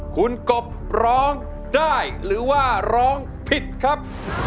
คุณกบร้องได้หรือว่าร้องผิดครับ